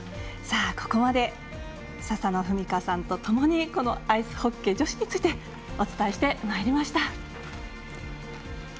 ここまで笹野文香さんとともにこのアイスホッケー女子についてお伝えしてまいりました。